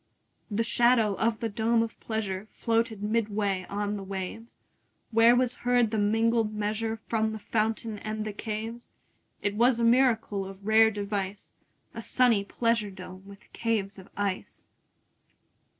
30 The shadow of the dome of pleasure Floated midway on the waves; Where was heard the mingled measure From the fountain and the caves. It was a miracle of rare device, 35 A sunny pleasure dome with caves of ice!